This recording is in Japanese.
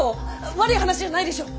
悪い話じゃないでしょう！？